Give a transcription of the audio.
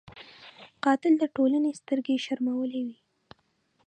قاتل د ټولنې سترګې شرمولی وي